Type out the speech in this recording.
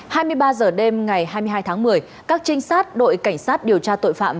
hai mươi ba h đêm ngày hai mươi hai tháng một mươi các trinh sát đội cảnh sát điều tra tội phạm